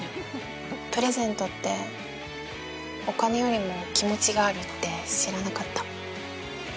プレゼントってお金よりも気持ちがあるって知らなかった。